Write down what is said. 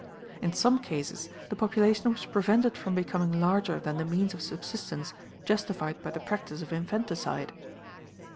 In some cases the population was prevented from becoming larger than the means of subsistence justified by the practice of infanticide.